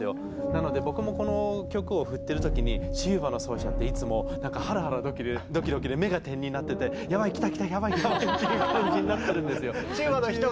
なので僕もこの曲を振ってるときにチューバの奏者っていつもなんかハラハラドキドキで目が点になっててやばい来た来たやばいやばいっていう感じになってるんですよ。